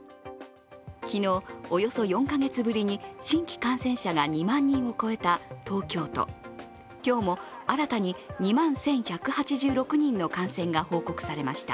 昨日、およそ４カ月ぶりに新規感染者が２万人を超えた東京都今日も新たに２万１１８６人の感染が報告されました。